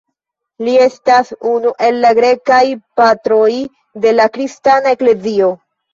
Li estas unu el la Grekaj Patroj de la kristana eklezio.